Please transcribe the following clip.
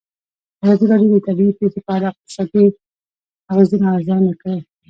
ازادي راډیو د طبیعي پېښې په اړه د اقتصادي اغېزو ارزونه کړې.